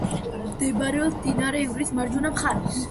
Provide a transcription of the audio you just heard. მდებარეობს მდინარე ივრის მარჯვენა მხარეს.